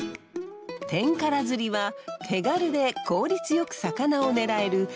テンカラ釣りは手軽で効率よく魚を狙える